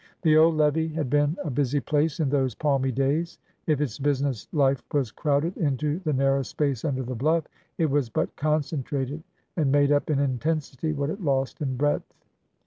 The old levee had been a busy place in those palmy days. If its business life was crowded into the narrow space under the bluff, it was but concentrated, and made up in intensity what it lost in breadth.